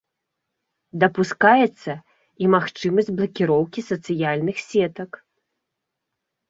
Дапускаецца і магчымасць блакіроўкі сацыяльных сетак.